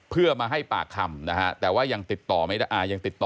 เพื่อมาให้ปากคำนะฮะแต่ว่ายังติดต่อไม่ได้นะครับ